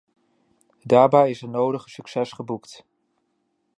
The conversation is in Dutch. Daarbij is het nodige succes geboekt.